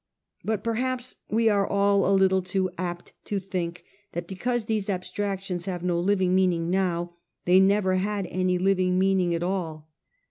But perhaps we are all a little too apt to think that because these abstractions have no living m eaning now, they never had any living meaning at all.